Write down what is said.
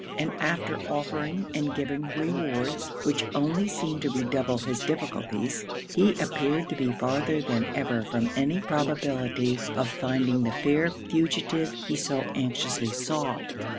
And after offering and giving rewards which only seemed to redouble his difficulties, he appeared to be farther than ever from any probability of finding the fair fugitive he so anxiously sought.